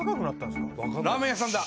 ラーメン屋さんだ。